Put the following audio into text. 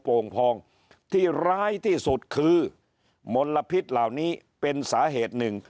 โป่งพองที่ร้ายที่สุดคือมลพิษเหล่านี้เป็นสาเหตุหนึ่ง